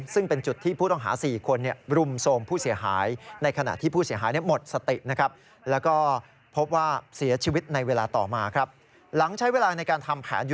ซึ่งเป็นจุดที่ผู้ต้องหา๔คนรุ่มโทรงผู้เสียหาย